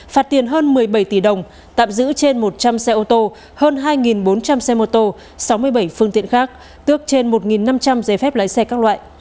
phạt tiền hơn một mươi bảy tỷ đồng tạm giữ trên một trăm linh xe ô tô hơn hai bốn trăm linh xe mô tô sáu mươi bảy phương tiện khác tước trên một năm trăm linh giấy phép lái xe các loại